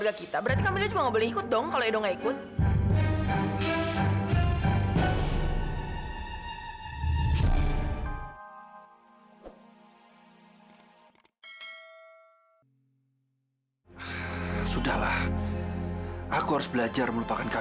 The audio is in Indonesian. sampai jumpa di video selanjutnya